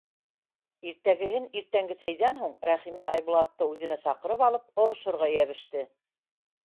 Иртәгеһен иртәнге сәйҙән һуң Рәхимә Айбулатты үҙенә саҡырып алып орошорға йәбеште.